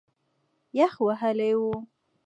یخ وهلی و.